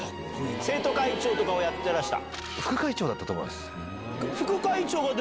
生徒会長とかをやってらした？